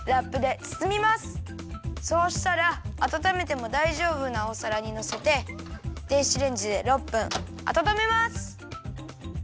そうしたらあたためてもだいじょうぶなおさらにのせて電子レンジで６分あたためます。